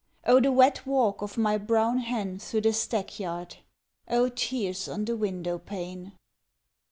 Oh the wet walk of my brown hen through the stack yard, Oh tears on the window pane!